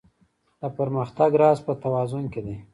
د پرمختګ راز په توازن کې دی.